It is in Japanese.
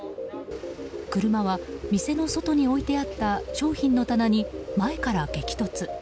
車は店の外に置いてあった商品の棚に前から激突。